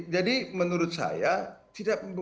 jadi menurut saya